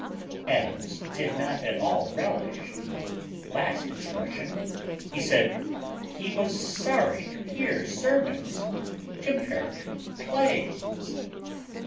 Adams did not at all relish the last expression; he said "he was sorry to hear sermons compared to plays."